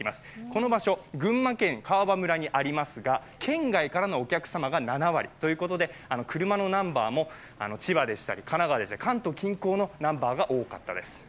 この場所、群馬県川場村にありますが県外からのお客様が７割ということで、車のナンバーも千葉でしたり神奈川でしたり、関東近郊のナンバーが多かったです。